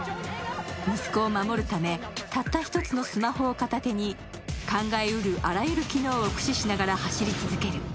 息子を守るため、たった１つのスマホを片手に考えうるあらゆる機能を駆使しながら走り続ける。